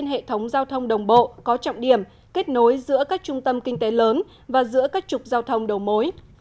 hệ thống giao thông đồng bộ có trọng điểm kết nối giữa các trung tâm kinh tế lớn và giữa các trục giao thông đầu mối